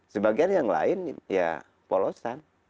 sebagian yang lain ya polosan